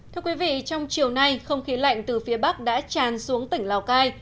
thưa quý vị trong chiều nay không khí lạnh từ phía bắc đã tràn xuống tỉnh lào cai